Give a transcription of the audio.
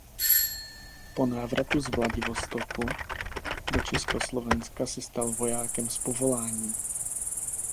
Po návratu z Vladivostoku do Československa se stal vojákem z povolání.